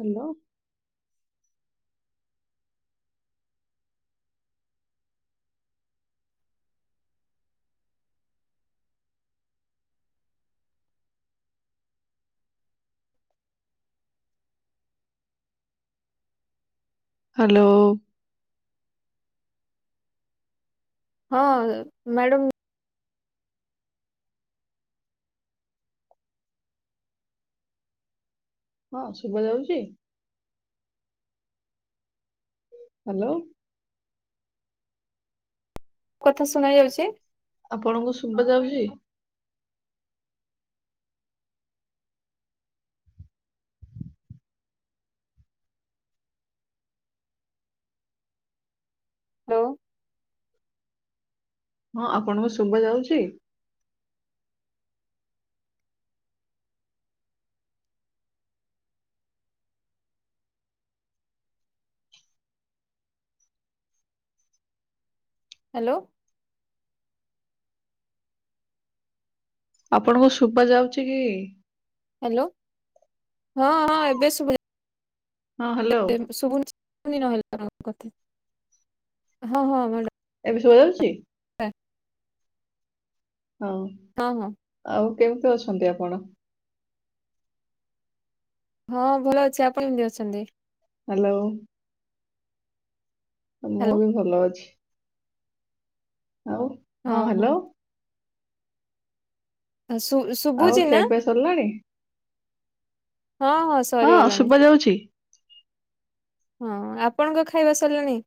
Hello. Hello. ହଁ madam ହଁ ଶୁଭା ଯାଉଛି। ହ୍ୟାଲୋ। କଥା ଶୁଣା ଯାଉଛି? ଆପଣଙ୍କୁ ଶୁବା ଯାଉଛି? ହ୍ୟାଲୋ। ହଁ ଆପଣଙ୍କୁ ଶୁଭା ଯାଉଛି? ହାଲୋ। ଆପଣଙ୍କୁ ଶୁବା ଯାଉଚି କି? ହାଲୋ ହଁ ହଁ ଏବେ ଶୁଭା ହଁ ହ୍ୟାଲୋ [inaudible] ଶୁଭୁଚି। ବୁନି ନହଲେ [inaudible] କଥା ହଁ ହଁ ମାଡ଼ା ଏବେ ଶୁଭା ଯାଉଚି? ଆ ଆଉ ହଁ ହଁ। ଆଉ କେମିତି ଅଛନ୍ତି ଆପଣ? ହଁ ଭଲ ଅଛି ଆପଣ କେମତି ଅଛନ୍ତି? ହାଲୋ। ଅ ମୁଁ ହ୍ୟାଲୋ ବି ଭଲଅଛି। ଆଉ ହଁ ହାଲୋ। ଆ ଶୁ ଶୁ ଆଉ ଖିଆପିଆ ସରିଲାଣି? ହଁ ହଁ ସ ହଁ ଶୁବା ଯାଉଛି। ହଁ ଆପଣଙ୍କ ଖାଇବା ସରଲାଣି?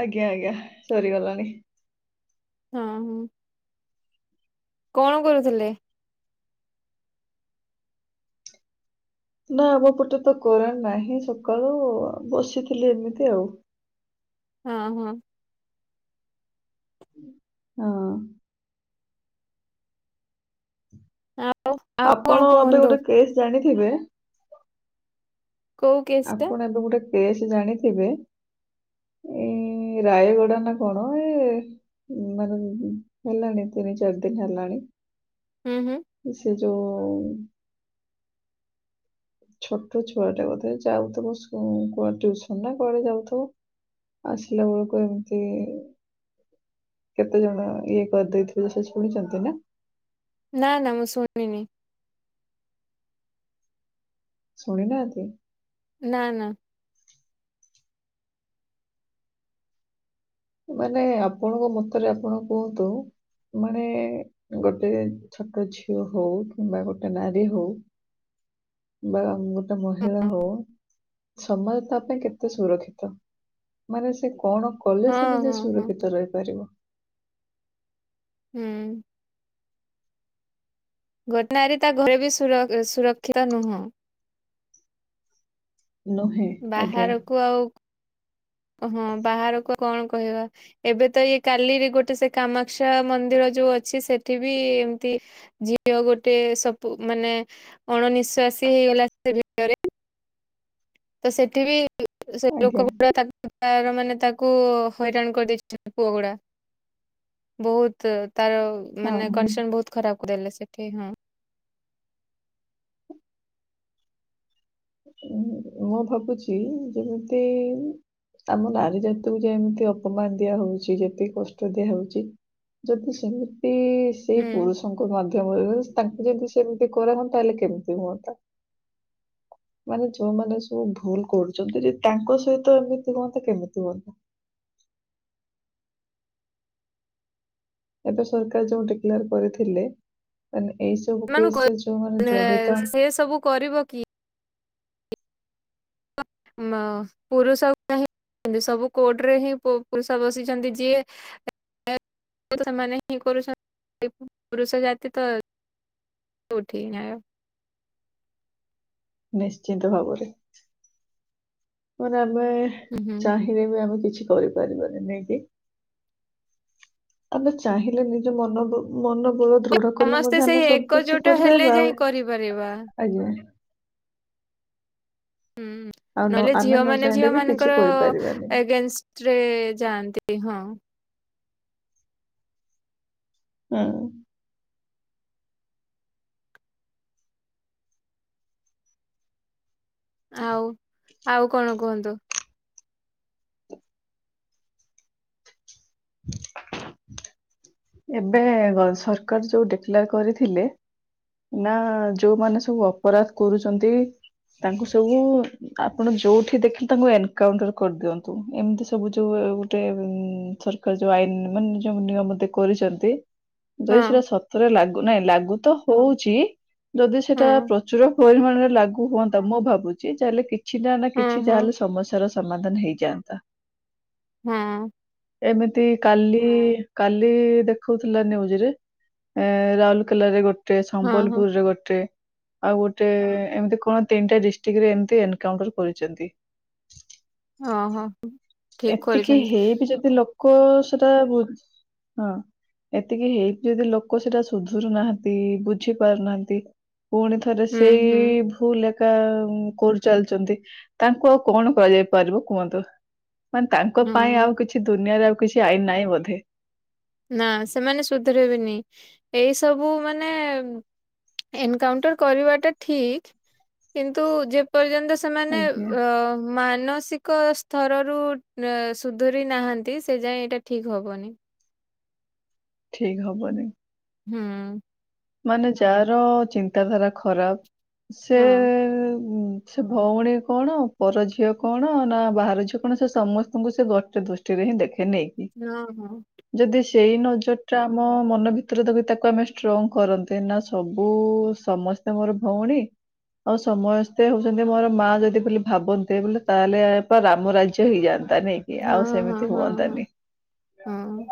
ଆଜ୍ଞା ଆଜ୍ଞା ସରି ଗଲାଣି। ହଁ ହଁ। କଣ କରୁଥୁଲେ? ନା ଆମ ପଟେ ତ କରେଣ୍ଟ ନାହିଁ ସକାଳୁ ବସିଥିଲି ଏମିତି ଆଉ। ହଁ ହଁ। ହଁ। ଆ ଆପଣ ଏବେ ଗୋଟେ କେସ୍ ଜାଣିଥିବେ। କୋଉ କେସ୍ ଟା ଆପଣ ଏବେ ଗୋଟେ କେସ୍ ଜାଣିଥିବେ। ଏଇ ରାୟଗଡା ନା କଣ ଏ ଉଁ ମାନେ ହେଲାଣି ତିନି ଚାରି ଦିନ ହେଲାଣି ହୁଁ ହୁଁ। ସିଏ ଯୋଉ ଛୋଟ ଛୁଆଟା ବୋଧେ ଯାଉଥିବ ସୁ କୁଆଡେ ଟ୍ୟୁସନ ନା କୁଆଡେ ଯାଉଥିବ। ଆସିଲା ବେଳକୁ ଏମତି କେତେ ଜଣ ଇଏ କରିଦେଇଥିବୋ ସେ ଶୁଣିଚନ୍ତି ନା? ନା ନା ମୁଁ ଶୁଣିନି। ଶୁଣିନାହାନ୍ତି। ନା ନା। ମାନେ ଆପଣଙ୍କ ମତରେ ଆପଣ କୁହନ୍ତୁ ମାନେ ଗୋଟେ ଛୋଟ ଝିଅ ହୋଉ କିମ୍ବା ଗୋଟେ ନାରୀ ହୋଉ ବା ଗୋଟେ ମହିଳା ହୋଉ ସମାଜ ତା ପାଇଁ କେତେ ସୁରକ୍ଷିତ? ମାନେ ସେ କଣ କଲେ ସେ ହଁ ନିଜେ ହଁ ହଁ ସୁରକ୍ଷିତ ରହିପାରିବ? ହୁଁ। ଗୋଟେ ନାରୀ ତା ଘରେ ବି ସୁର ଅ ସୁରକ୍ଷିତ ନୁହଁ। ନୁହେଁ ଆଜ୍ଞା ବାହାରକୁ ଆଉ ହଁ ବାହାରକୁ କଣ କହିବା? ଏବେ ତ ଇଏ କାଲିରେ ଗୋଟେ ସେ କାମାକ୍ଷା ମନ୍ଦିର ଯୋଉ ଅଛି ସେଠି ବି ଏମତି ଝିଅ ଗୋଟେ ସବୁ ମାନେ ଅଣନିଶ୍ଵାସୀ ହେଇଗଲା ସେ ଭିତରେ ତ ସେଠି ବି ସେ ଆଜ୍ଞା ଲୋକଗୁଡା ତାକୁ ତାର ମାନେ ତାକୁ ହଇରାଣ କରିଦେଇଚନ୍ତି ପୁଅଗୁଡା। ବୋହୁତ ତାର ହଁ ମାନେ ହଁ କଣ୍ଡିସନ ବୋହୁତ ଖରାପ କରଦେଲେ ସେଠି ହଁ। ଉଁ, ମୁଁ ଭାବୁଚି ଯେମତି ଆମ ନାରୀ ଜାତିକୁ ଯେମିତି ଅପମାନ ଦିଆ ହଉଛି ଯେତିକି କଷ୍ଟ ଦିଆ ହଉଛି। ଯଦି ସେମିତି ସେଇ ହୁଁ। ପୁରୁଷ ମାଧ୍ୟମରେ ତାଙ୍କୁ ଯଦି ସେମିତି କରା ହୁଅନ୍ତା ତାହେଲେ କେମିତି ହୁଅନ୍ତା। ମାନେ ଯୋଉମାନେ ସବୁ ଭୁଲ କରୁଛନ୍ତି ଯେ ତାଙ୍କ ସହିତ ଏମିତି ହୁଅନ୍ତା କେମିତି ହୁଅନ୍ତା। ଏବେ ସରକାର ଯୋଉ ଡିକ୍ଲୋର କରିଥିଲେ ମାନେ ଏଇ ସବୁ କେସ୍ ରେ ଯୋଉ ମାନେ ଯଡିତ ଏସବୁ କରିବ କିଏ? ମ ପୁରୁଷ [unintelligible] ସବୁ କୋର୍ଟରେ ହିଁ ପଇସା ବସିଛନ୍ତି ଯିଏ ସେମାନେ ହିଁ କରୁଛନ୍ତି ପୁରୁଷ ଜାତି ତ କୋଉଠି ନ୍ୟାୟ। ନିଶ୍ଚିିନ୍ତ ଭାବରେ। ଖରାବେ ଉଁ ହୁଁ ଥିପାଇଁ ବି ଆମେ କିଛି କରିପାରିବାନି ନାଇଁ କି? ଆମେ ଚାହିଁଲେ ନିଜ ମନ ମନବଳ ଦୃଢ କଲେ ସମସ୍ତେ ମଧ୍ୟ ସେଇ ଆମେ ସବୁ କିଛି ଏକଜୋଟ ହେଲେ କରିପାରିବା ଯାଇ ଆଉ କରିପାରିବା ଆଜ୍ଞା। ହୁଁ ଆଉ ନ ନହେଲେ ଆମେ ନ ଝିଅମାନେ ଚାହିଁଲେ ବି କିଛି ଝିଅମାନଙ୍କର କରିପାରିବାନି। ଏଗେନସ୍ ଟେ ରେ ଯାଆନ୍ତି ହଁ। ଉଁ ଆଉ ଆଉ କଣ କୁହନ୍ତୁ? ଏବେ ସରକାର ଯୋଉ ଡିକଲାର କରିଥିଲେ। ନା ଯୋଉମାନେ ସବୁ ଅପରାଧ କରୁଛନ୍ତି ତାଙ୍କୁ ସବୁ ଆପଣ ଯୋଉଠି ଦେଖି ତାଙ୍କୁ ଏନକାଉଣ୍ଟର କରିଦିଅନ୍ତୁ ଏମିତି ସବୁ ଯୋଉ ଗୋଟେ ଥର କ ଯୋଉ ଆଇନ ମାନେ ଯୋଉ ନିୟମ ଦେ କରିଚନ୍ତି ଯଦି ହଁ ସେଟା ସତରେ ଲାଗୁ ନାଇଁ ଲାଗୁ ତ ହଉଚି ଯଦି ହଁ ସେଟା ପ୍ରଚୁର ପରିମାଣରେ ଲାଗୁ ହୁଅନ୍ତା ମୁଁ ଭାବୁଚି ଯାହା ହେଲେ କି କିଛିଟା ହେଲେ ହଁ କିଛିଟା ହଁ ଯାହେଲେ ସମସ୍ୟାର ସମାଧାନ ହେଇଯାଆନ୍ତା। ହୁଁ ଏମିତି କାଲି କା କାଲି ଦେଖୋଉଥିଲା ନ୍ୟୁଜ ରେ ରାଉରକେଲାରେ ଗୋ ଟେ ହଁ ହଁ ସମ୍ବଲପୁରରେ ଗୋଟେ ଆଉ ଗୋଟେ ଏମତି କଣ ତିନିଟା ଡିଷ୍ଟ୍ରିକରେ ଏମତି ଏନକାଉଣ୍ଟର କରିଛନ୍ତି। ଓହୋ ଠିକ ଏତିକି କରିଛନ୍ତି ହେଇବି ଯଦି ଲୋକ ସେଟା ବୁ ହଁ ଏତିକି ହେଇକି ଯଦି ଲୋକ ସେଇଟା ସୁଧୁରୁ ନାହାଁନ୍ତି ବୁଝିପାରୁନାହାଁନ୍ତି। ପୁଣିଥରେ ହୁଁ ସେଇ ହୁଁ ଭୁଲ ଏକା କରିଚାଲିଚନ୍ତି ତାଙ୍କୁ ଆଉ କଣ କୁହାଯାଇପାରିବ କୁହନ୍ତୁ। ମାନେ ତାଙ୍କ ପାଇଁ ହୁଁ। ଆଉ କିଛି ଦୁନିଆରେ ଆଉ କିଛି ଆଇନ ନାହିଁ ବୋଧେ। ନା ସେମାନେ ସୁଧରିବେନି ଏଇସବୁ ମାନେ ଏନକାଉଣ୍ଟର କରିବାଟା ଠିକ୍ କିନ୍ତୁ ଯେପର୍ଯ୍ୟନ୍ତ ସେମାନେ ଆଜ୍ଞା ଅ ମାନସିକ ସ୍ତରରୁ ସୁଧରି ନାହାଁନ୍ତି ସେ ଯାଏ ଏଇଟା ଠିକ୍ ହବନି। ଠିକ୍ ହବନି। ହୁଁ ମାନେ ଯାହାର ଚିନ୍ତାଧାରା ଖରାପ ସେ ହଁ। ସେ ଭଉଣୀ କଣ ପର ଝିଅ କଣ ନା ବାହାର ଝିଅ କଣ ସେ ସମସ୍ତଙ୍କୁ ସେ ଗୋଟେ ଦୁ ଷ୍ଟି ରେ ହିଁ ଦେଖିନେଇଁ ହଁ ହଁ ଯଦି ସେଇ ନଜରଟା ଆମ ମନ ଭିତରେ ତାକୁ ଆମେ ଷ୍ଟ୍ର କରନ୍ତେ ନା ସବୁ ସମସ୍ତେ ମୋର ଭଉଣୀ। ଆଉ ସମସ୍ତେ ହଉଛନ୍ତି ମୋର ମା ଯଦି ବୋଲି ଭାବନ୍ତେ ବୋଇଲେ ତାହେଲେ ତ ରାମ ରା ଜ୍ୟ ହେଇଯାନ୍ତା ନାଇଁ କି ହଁ ଆଉ ହଁ ସେମିତି ହଁ ହଁ ହୁଅନ୍ତାନି। ହଁ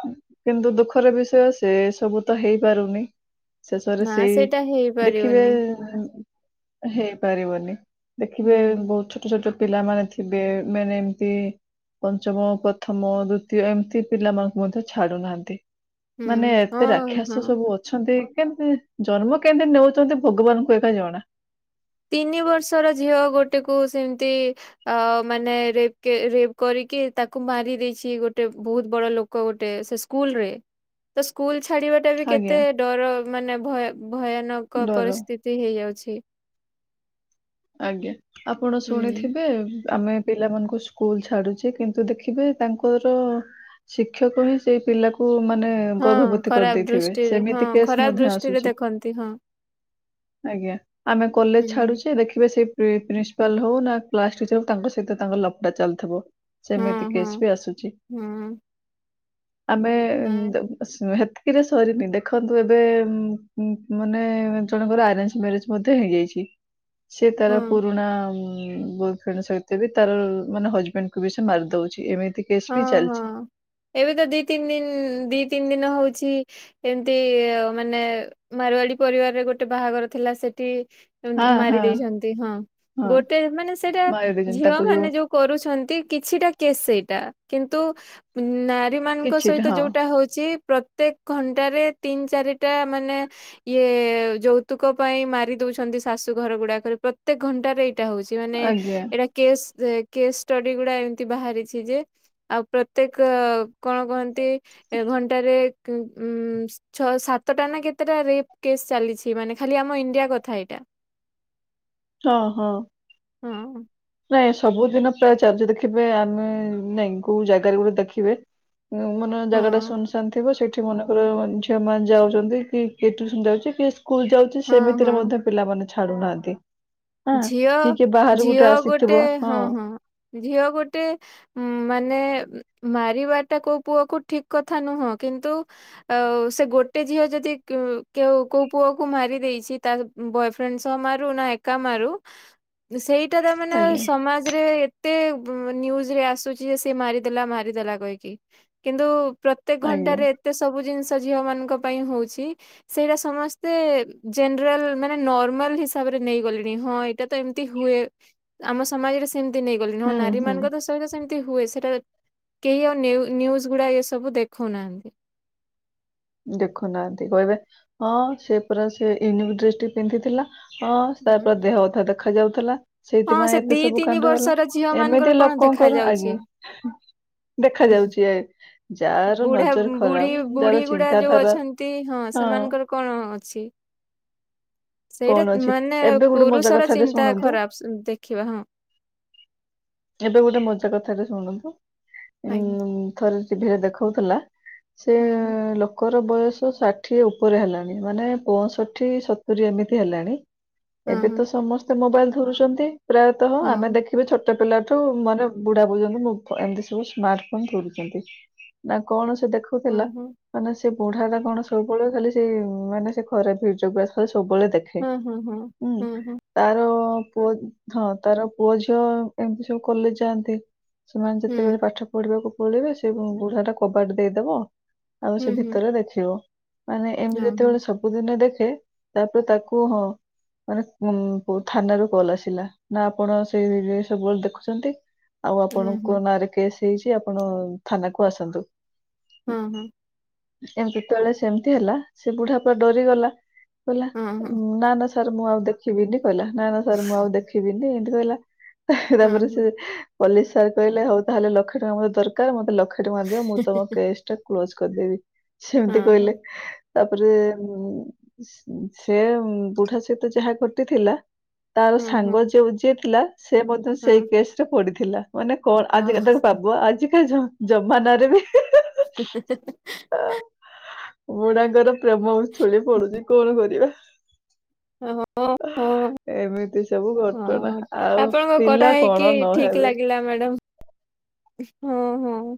କିନ୍ତୁ ଦୁଃଖର ବିଷୟ ସେ ସବୁ ତ ହେଇପାରୁନି। ଶେଷରେ ନା ସେଇ ସେଇଟା ଦେଖିବେ। ହେଇପାରିବନି। ହେଇପାରିବନି ହୁଁ ଦେଖିବେ ବହୁତ ଛୋ ଛୋଟ ଛୋଟ ପିଲାମାନେ ଥିବେ ମାନେ ଏମତି। ପଞ୍ଚମ, ପ୍ରଥମ, ଦୁତୀୟ ଏମିତି ପିଲାମାନଙ୍କୁ ମଧ୍ୟ ଛାଡୁନାହାନ୍ତି। ହୁଁ ମାନେ ଏତେ ହଁ ରାକ୍ଷସ ହଁ। ସବୁ ଅ ଅଛନ୍ତି କେମତି ଜନ୍ମ କେନ୍ତି ନଉଛନ୍ତି ଭଗବାନଙ୍କୁ ଏକା ଜଣା। ତିନି ବର୍ଷର ଝିଅ ଗୋଟେକୁ ସେମତି। ଆ ମାନେ ରେପ୍ କେ ରେପ୍ କରିକି ତାକୁ ମାରି ଦେଇଛି ଗୋଟେ ବହୁତ ବଡ ଲୋ କ ଗୋଟେ ସେ ସ୍କୁଲରେ। ତ ସ୍କୁଲ ଛାଡି ବାଟା ବି କେତେ ଆଜ୍ଞା ଡର ମାନେ ଭୟ ଭୟାନକ ଡର ପରିସ ସ୍ତିତି ହେଇଯାଉଛି। ଆଜ୍ଞା ଆପଣ ହୁଁ। ଶୁଣିଥିବେ ଆମେ। ପିଲାମାନଙ୍କୁ ସ୍କୁଲ ଛାଡୁଛେ କିନ୍ତୁ ଦେଖିବେ ତାଙ୍କର। ଶିକ୍ଷକ ହିଁ ସେଇ ପିଲାକୁ ମାନେ। ହଁ ଗର୍ଭବତୀ କରି ଖରାପ ଦେଇଥିବେ‌ ଦୃଷ୍ଟିରେ ହଁ ସେମିତି କେସ୍ ଖରାପ ମଧ୍ୟ ଦୃଷ୍ଟିରେ ଆସୁଛି। ଦେଖନ୍ତି ହଁ। ଆଜ୍ଞା ଆମେ କଲେଜ ହୁଁ ଛାଡୁଛେ ଦେଖ ଖିବେ ସେ ପ୍ରି ପ୍ରିନ୍ସିପାଲ ହଉ ନହେଲେ କ୍ଲାସ ଟିଚର ହଉ ତାଙ୍କ ସହିତ ତାଙ୍କର ଲଫଡା ଚାଲିଥିବ। ହଁ ସେମିତି ହଁ କେସ୍ ବି ଆସୁଛି ହଁ ଆମେ ନା ସ ହେତିକିରେ ସରିନି ଦେଖନ୍ତୁ ଏବେ ଉଁ ଉଁ ମାନେ ଜଣଙ୍କର ଆରେଞ୍ଜ ମ୍ୟାରେଜ। ମଧ୍ୟ ହେଇ ଯାଇଛି ସେ ତାର ହଁ। ପୁରୁଣା ଉଁ ବ ଫ୍ରେଣ୍ଡ ସହିତ ବି ତାର ମାନେ ହଜବେଣ୍ଡକୁ ବି ସେ ମାରି ଦଉଛି ଏମିତି। କେସ୍ ହଁ ବି ହଁ ଚାଲିଛି ଏବେ ତ ଦି ତିନି ଦିନ ଦି ତିନି ଦିନ ହଉଛି। ଏମିତି ଅ ମାନେ ମାରୁଆଡି ପରିବାରରେ ଗୋଟେ ବାହାଘର ଥିଲା ସେଠି। ଏମିତି ହଁ ମାରି ହଁ ଦେଇଛନ୍ତି ହଁ ହଁ ଗୋଟେ ମାନେ ସେଇଟା ମାରି ଦେଇଛନ୍ତି ଝିଅ ତାକୁ ମାନେ ଯୋଉ। କରୁଛନ୍ତି କିଛିଟା କେସ୍ ସେଇଟା କିନ୍ତୁ। ନାରୀମାନଙ୍କ କିଛିଟା ସହିତ ହଁ ଯୋଉଟା ହଉଛି। ପ୍ରତ୍ୟେକ ଘଣ୍ଟାରେ ତିନି ଚାରିଟା ମାନେ। ଇଏ ଯୌତୁକ ପାଇଁ ମାରି ଦଉଛନ୍ତି ଶାଶୁ ଘର ଗୁଡାକରେ ପ୍ରତ୍ୟେକ ଘଣ୍ଟାରେ ଏଇଟା ହଉଛି। ମାନେ ଆଜ୍ଞା ଏଇଟା କେସ୍ କେସ୍ ଷ୍ଟଡି ଗୁଡା ଏମିତି ବାହାରିଛି ଯେ। ଆଉ ପ୍ରତ୍ୟେକ କଣ କହନ୍ତି, ଏ ଘଣ୍ଟାରେ କ୍ ଉଁ ସ୍ ଛଅ ସାତଟା ନା କେତେଟା ରେପ୍ କେସ୍ ଚାଲିଛି ମାନେ ଖାଲି ଆମ ଇଣ୍ଡିଆ କଥା ଏଇଟା। ହଁ ହଁ। ହଁ ନାଇଁ ସବୁଦିନ ପ୍ରାୟ ଚାଲିଛୀ ଦେଖିବେ‌ ଆମେ ନାଇଁ କୋଉ ଜାଗାରେ ଗୋଟେ ଦେଖିବେ। ମାନେ ହଁ ଜାଗାଟା ଶୁନ ଶାନ୍ ଥିବ ସେଇଠି। ସେଠି ମନେକର ଝିଅମାନେ ଯାଉଛନ୍ତି କି କିଏ ଟ୍ୟୁସନ୍ ଯାଉଛି କିଏ ସ୍କୁଲ ଯାଉଛି ହଁ ସେମିତିରେ ହଁ। ମଧ୍ୟ। ପିଲାମାନେ ଛାଡୁ ନାହାନ୍ତି ହାଁ ଝିଅ କିି କିଏ ବାହାରୁ ଗୋଟେ ଝିଅ ଆସି। ଗୋଟେ ହଁ ହଁ ଝିଅ ଗୋଟେ। ଉଁ ମାନେ ମାରିବାଟା କୋଉ ପୁଅକୁ ଠିକ କଥା ନୁହଁ କିନ୍ତୁ। ଆଉ ସେ ଗୋଟେ ଝିଅ ଯଦି କେ କେଉ କୋଉ ପୁଅକୁ ମାରି ଦେଇଛି ତା ବୟଫ୍ରେଣ୍ଡ ସହ ମାରୁ ନା ଏକା ମାରୁ ସେଇଟା ତା ମାନେ ଆଜ୍ଞା ସମାଜରେ। ଏତେ ନିଉଜରେ ଆସୁଛି ଯେ ସେ ମାରିଦେଲା ମାରିଦେଲା କହିକି କିନ୍ତୁ ପ୍ର ତେକ ଆଜ୍ଞା ଘଣ୍ଟାରେ ଏତେ ସବୁ ଜିନିଷ ଝିଅମାନଙ୍କ ପାଇଁ ହଉଛି। ସେଇଟା ସମସ୍ତେ ଜେନେରାଲ ମାନେ ନର୍ମାଲ ହିସାବରେ। ନେଇଗଲେଣି ହଁ ଏଇଟା ତ ଏମିତି ହୁଏ ଆମ ସମାଜରେ ସେମିତି ନେଇଗଲିଣି ହଁ ହୁଁ ନାରୀ ହୁଁ ମାନଙ୍କ ତ ତ ଏଇଟା ସେମିତି ହୁଏ ସେଟା କେହି ଆଉ ନିଉ ନିଉଜ ଗୁଡା ଏସବୁ ଦେଖାଉ ନାହାନ୍ତି। ଦେଖଉ ନାହାନ୍ତି କହିବେ ହଁ ସେ ପରା ସେ ୟୁନିକ ଡ୍ରେସଟି ପିନ୍ଧିଥିଲା। ହଁ ସା ପ ହୁଁ। ଦେହ ଅଧା ଦେଖା ଯାଉଥିଲା। ହଁ ସେ ସେଇଥିପାଇଁ ଦି ଏତେ ସବୁ ତିନି କାଣ୍ଡ ହେଲା ବର୍ଷର ଝିଅ ମାନଙ୍କର ଏମିତି କଣ ଦେଖା ଲୋକଙ୍କର ଯାଉଛି। ଆଜ୍ଞା। ଦେଖାଯାଉଛି ଆ ଯାହାର ବୁଢା ନଜର ବୁଢୀ ଖରାପ ବୁଢୀ ଯାହାର ଗୁଡା ଚିନ୍ତା ଯୋଉ ଅଛନ୍ତି ହଁ ସେମାନଙ୍କର କଣ ଅଛି। ସେଇଟା କଣ ଅଛି ମାନେ ଏବେ ଗୋଟେ ମଜା ପୁରୁଷର କଥାଟେ ଚିନ୍ତା ଶୁଣନ୍ତୁ ଖରାପ ଦେଖିବା ହଁ। ଏବେ ଗୋଟେ ମଜା କଥାଟେ ଶୁଣନ୍ତୁ। ଆଜ୍ଞା ଉଁ ଥରେ ଟିଭିରେ ଦେଖାଉଥିଲା ସେ ହଁ ହଁ ଲ କ ର ବୟସ ଷାଠିଏ ଉପରେ ହେଲାଣି ମାନେ ପଞ୍ଚଷଠି ସତୁରୀ ଏମିତି ହେଲାଣି। ହଁ ଏବେ ହଁ ତ ସମସ୍ତେ ମୋବାଇଲ ଧରୁଛନ୍ତି ପ୍ରାୟତଃ ହଁ ଆମେ ଦେଖ ଏବେ ଛୋଟ ପିଲାଠୁ ମାନେ ବୁଢା ପର୍ଯ୍ୟନ୍ତ ଏମିତି ସବୁ ସ୍ମାର୍ଟ ଫୋନ ଧରୁଛନ୍ତି। ନା କଣ ସେ ହଁ ଦେଖୁଥିଲା। ହଁ ମାନେ ସେ ବୁଢା ଟା କଣ ସବୁବେଳେ ଖାଲି ସେଇ ମାନେ ସେ ଖରାପ ଭିଡିଓୋଗ୍ରାଫ ସବୁବେଳେ ଦେଖ। ଖେ, ହଁ ହଁ ଉଁ ହଁ ହଁ। ତାର ପୁଅ ହଁ ତାର ପୁଅ ଝିଅ ଏମିତି ସବୁ କଲେଜ ଯାନ୍ତି। ସେମାନେ ଯେତେବେଳେ ପାଠ ପଢିବାକୁ ପଳେଇବେ ସେ ବୁଢା ଟା କବାଟ ଦେଇଦବ। ଆଉ ସେ ଭିତରେ ଦେଖିବ ମାନେ ଏମିତି ଯେତେବେଳେ ସବୁଦିନ ଦେଖେ ତାପରେ ତାକୁ କୁ, ହଁ ମାନେ ଥାନରୁ କଲ୍ ଆସିଲା ନା ଆପଣ ସେଇ ରେ ସବୁବେଳେ ଦେଖୁଛନ୍ତି। ଆଉ ଆପଣଙ୍କ ନାଁରେ କେସ୍ ହେଇଛି ଆପଣ ଥାନା କୁ ଆସନ୍ତୁ। ହଁ, ହଁ ଏମିତି ଜେତ ବେଳେ ସେମିତି ହେଲା ସେ ବୁଢା ପୁରା ଡରିଗଲା କହିଲା ନା, ନା ସାର୍ ମୁଁ ଆଉ ଦେଖିବିନି କହିଲା ନା, ନା ସାର୍ ମୁଁ ଆଉ ଦେଖିବିନି ଏମିତି କହିଲା। ତା ପରେ ସେ ପୋଲିସ ସାର୍ କହିଲେ, ହଉ ତାହେଲେ ଲକ୍ଷେ ଟଙ୍କା ମତେ ଦରକାର ମତେ ଲକ୍ଷ ଟଙ୍କା ଦିଅ ମୁଁ ତମ କେଶ୍ ଟା କ୍ଲୋଜ କରିଦେବି ସେମିତି କହିଲେ। ତା ପରେ ସେ ବୁଢା ସହିତ ଯାହା ଘଟିଥିଲା। ତାର ସାଙ୍ଗ ଯୋଉ ଯିଏ ଥିଲା ସେ ମଧ୍ୟ ସେଇ କେସ ରେ ପଡିଥିଲା। ମାନେ କଣ ଆ ଆଜିକାଲି ତାକୁ ପବୁ ଆଜିକା ଜମାନାରେ ବି [unintelligible] ହେ ହେ ହେ। ଆ ବୁଢାଙ୍କର ପ୍ରେମ ଉଛୁଳି ପଡୁଛି କଣ କରିବା। ଆହୋ ହୋ ହଁ, ଏମିତି ସବୁ ଘଟଣା ହଁ ଆଉ ଆପଣଙ୍କ କଥା ପିଲା କଣ ହେଇକି ଠିକ ନହେବେ ଲାଗିଲା ମ୍ୟାଡାମ୍। ହଁ, ହଁ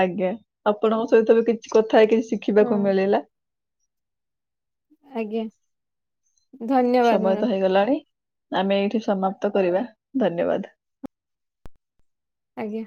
ଆଜ୍ଞା, ଆପଣଙ୍କ ସହିତ ବି କିଛି କଥା ହେଇକି ହଁ, ଶିଖିବାକୁ ମିଳିଲା। ଆଜ୍ଞା ଧନ୍ୟବାଦ ସମୟ ମ୍ୟାଡାମ୍, ତ ହେଇଗଲାଣି। ଆମେ ଏଇଠି ସମାପ୍ତ କରିବା ଧନ୍ୟବାଦ। ଆଜ୍ଞା